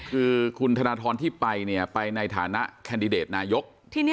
คือคุณธนทรที่ไปไปในฐานะแคนดิเดตนายก